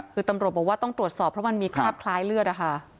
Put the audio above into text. คือตำรวจบอกว่าต้องตรวจสอบเพราะมันมีคราบคล้ายเลือดนะคะ